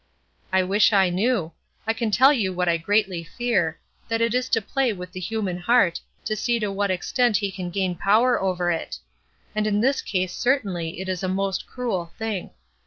"I wish I knew. I can tell you what I greatly fear: That it is to play with the human heart; to see to what extent he can gain power over it. And in this case certainly it is a most cruel thing.